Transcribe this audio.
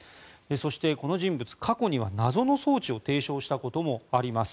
そして、この人物過去には謎の装置を提唱したことがあります。